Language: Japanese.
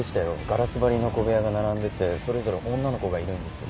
ガラス張りの小部屋が並んでてそれぞれ女の子がいるんです。